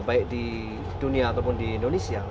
baik di dunia ataupun di indonesia